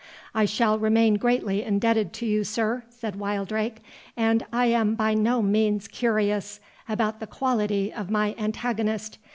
"I shall remain greatly indebted to you, sir," said Wildrake; "and I am by no means curious about the quality of my antagonist.